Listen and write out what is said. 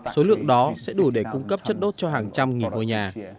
số lượng đó sẽ đủ để cung cấp chất đốt cho hàng trăm nghìn ngôi nhà